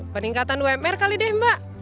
peningkatan umr kali deh mbak